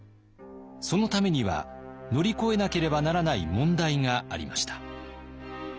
そのためには乗り越えなければならない問題がありました。